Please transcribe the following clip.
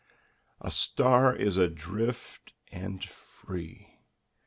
A star is adrift and free.